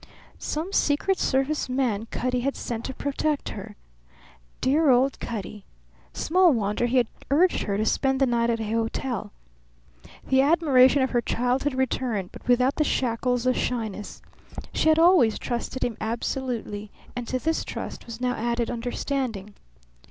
Some secret service man Cutty had sent to protect her. Dear old Cutty! Small wonder he had urged her to spend the night at a hotel. The admiration of her childhood returned, but without the shackles of shyness. She had always trusted him absolutely, and to this trust was now added understanding.